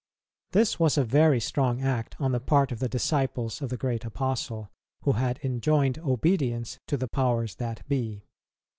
This was a very strong act on the part of the disciples of the great Apostle, who had enjoined obedience to the powers that be.